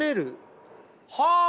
はあ。